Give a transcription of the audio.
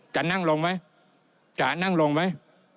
จะนั่งลงไหมจะนั่งลงไหม